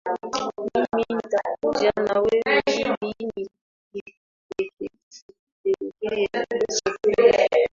Mimi nitakuja na wewe ili nikupeleke sokoni.